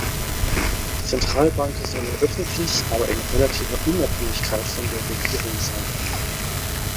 Die Zentralbank solle öffentlich, aber in relativer Unabhängigkeit von der Regierung sein.